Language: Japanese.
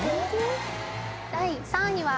第３位は。